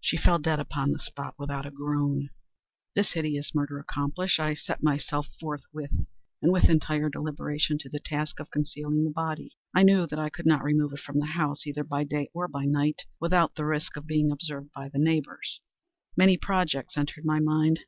She fell dead upon the spot, without a groan. This hideous murder accomplished, I set myself forthwith, and with entire deliberation, to the task of concealing the body. I knew that I could not remove it from the house, either by day or by night, without the risk of being observed by the neighbors. Many projects entered my mind.